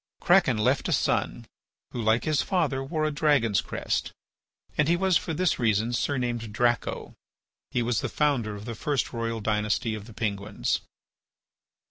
Kraken left a son, who, like his father, wore a dragon's crest, and he was for this reason surnamed Draco. He was the founder of the first royal dynasty of the Penguins.